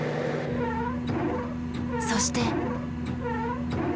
そして。